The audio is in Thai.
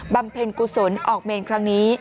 เพ็ญกุศลออกเมนครั้งนี้